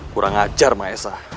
kurang ajar maesah